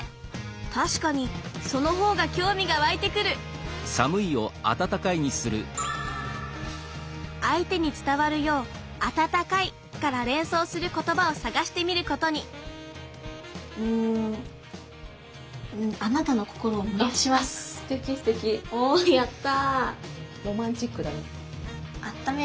確かにその方が興味が湧いてくる相手に伝わるよう「あたたかい」から連想することばを探してみることにうんおやった！